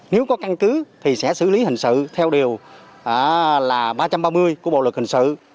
nếu có căn cứ thì sẽ xử lý hình sự theo điều ba trăm ba mươi của bộ luật hình sự